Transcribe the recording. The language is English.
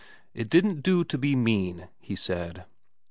It didn't do to be mean, he said.